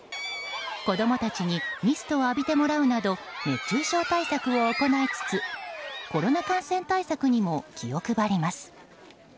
子供たちにミストを浴びてもらうなど熱中症対策を行いつつコロナ感染対策にも気を配ります。